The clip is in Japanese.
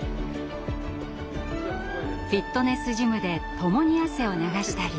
フィットネスジムで共に汗を流したり。